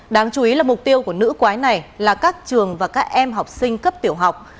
đáng chú ý là mục tiêu của nữ quái này là các trường và các em học sinh cấp tiểu học